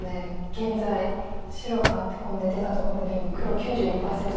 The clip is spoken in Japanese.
現在白がアテ込んで出たところで今黒９２％と。